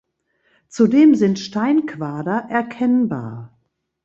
Zudem sind Steinquader erkennbar.